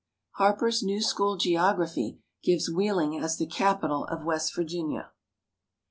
Harper's new School Geography gives Wheeling as the capital of West Virginia.